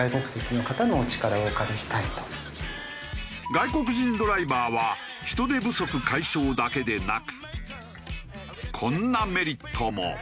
外国人ドライバーは人手不足解消だけでなくこんなメリットも。